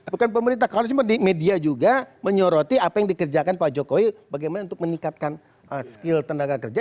bukan pemerintah kalau cuma di media juga menyoroti apa yang dikerjakan pak jokowi bagaimana untuk meningkatkan skill tenaga kerja